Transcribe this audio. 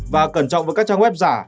và cẩn trọng với các trang web giả